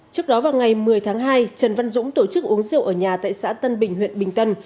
trước đó vào ngày một mươi tháng hai trần văn dũng tổ chức uống rượu ở nhà tại xã tân bình huyện bình tân